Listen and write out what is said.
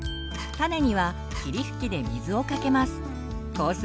種には霧吹きで水をかけます。